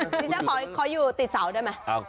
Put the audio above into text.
ดิฉันขออยู่ติดเสาได้ไหม